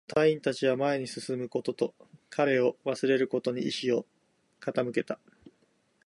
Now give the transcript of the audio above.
隊員達は前に進むことと、彼を忘れることに意志を傾けた